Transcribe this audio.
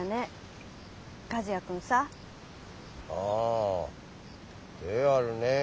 ああであるねえ。